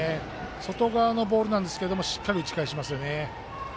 外側のボールなんですけどしっかり打ち返しますよね。